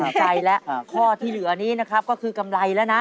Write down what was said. ใจแล้วข้อที่เหลือนี้นะครับก็คือกำไรแล้วนะ